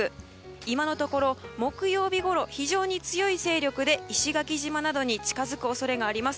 今のところ木曜日ごろ非常に強い勢力で石垣島などに近づく恐れがあります。